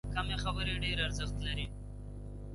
کمې خبرې، ډېر ارزښت لري.